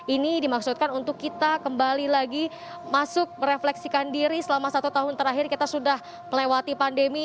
ini dimaksudkan untuk kita kembali lagi masuk merefleksikan diri selama satu tahun terakhir kita sudah melewati pandemi